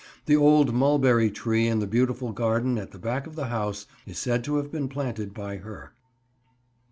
The old mulberry tree in the beautiful garden at the back of the house is said to have been planted by her.